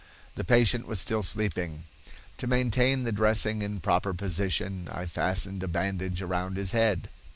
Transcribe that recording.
The patient was still sleeping. To maintain the dressing in proper position, I fastened a bandage around his head.